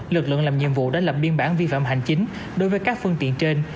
lực lượng làm nhiệm vụ đã lập biên bản vi phạm hành chính đối với các phương tiện trên